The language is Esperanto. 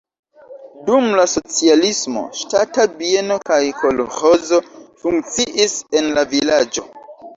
Dum la socialismo ŝtata bieno kaj kolĥozo funkciis en la vilaĝo.